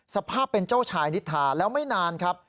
สภาพเป็นเจ้าชายนิทาแล้วไม่นานครับ